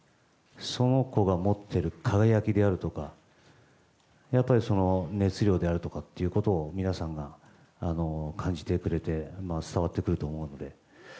その子が持っている輝きであるとかやっぱり熱量であるとかということを皆さんが感じてくれて伝わってくると思うので。